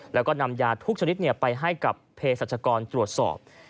แล้วก็นำยาทุกชนิดไปให้กับเพศรัชกรตรวจสอบ